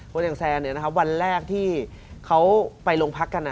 คนอย่างแซนวันแรกที่เขาไปโรงพักกัน